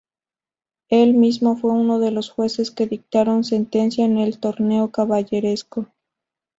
Él mismo fue uno de los jueces que dictaron sentencia en el torneo caballeresco.